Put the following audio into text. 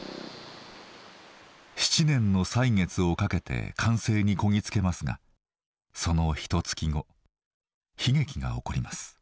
７年の歳月をかけて完成にこぎ着けますがそのひと月後悲劇が起こります。